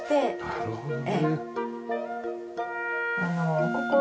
なるほどね。